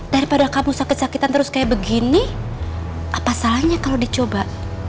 daripada kamu sakit sakitan terus kayak begini apa salahnya kalau dicoba